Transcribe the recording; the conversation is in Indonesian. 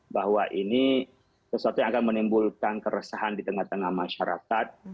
bahwa ini sesuatu yang akan menimbulkan keresahan di tengah tengah masyarakat